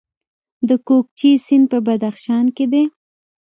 د کوکچې سیند په بدخشان کې دی